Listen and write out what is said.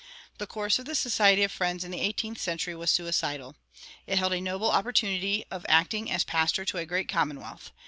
The course of the Society of Friends in the eighteenth century was suicidal. It held a noble opportunity of acting as pastor to a great commonwealth.